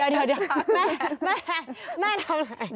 เดี๋ยวแม่แม่ทำอะไร